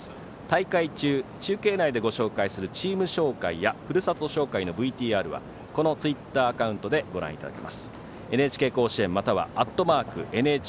大会中、中継内でご紹介するチーム紹介やふるさと紹介のＶＴＲはこのツイッターアカウントでご覧いただけます。